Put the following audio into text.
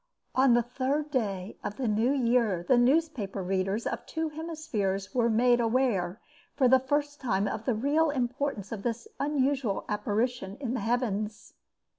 On the third day of the new year the newspaper readers of two hemispheres were made aware for the first time of the real importance of this unusual apparition in the heavens.